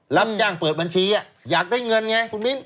รับจ้างเปิดบัญชีอยากได้เงินไงคุณมิ้น